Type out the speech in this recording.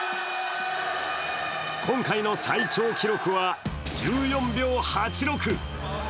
今回の最長記録は１４秒８６！